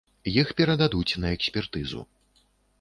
Іх перададуць на экспертызу.